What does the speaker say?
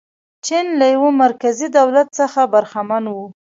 چین له یوه مرکزي دولت څخه برخمن و.